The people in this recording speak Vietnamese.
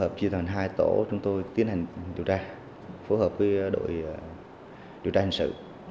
phù hợp với đội điều tra hành sự